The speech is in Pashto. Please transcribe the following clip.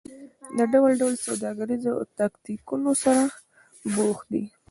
له ډول ډول سوداګریو او تاکتیکونو سره بوخت دي.